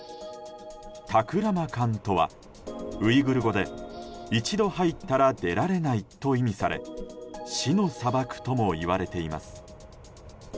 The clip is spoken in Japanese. タクラマカンとは、ウイグル語で「一度入ったら出られない」と意味され死の砂漠ともいわれています。